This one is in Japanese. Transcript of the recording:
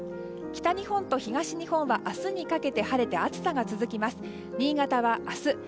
北日本と東日本は明日にかけて晴れて暑さが続きます。